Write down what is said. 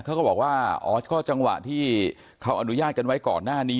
เขาก็บอกว่าอ๋อก็จังหวะที่เขาอนุญาตกันไว้ก่อนหน้านี้